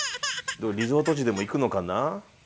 リゾート地でも行くのかな？